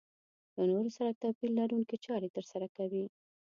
له نورو سره توپير لرونکې چارې ترسره کوي.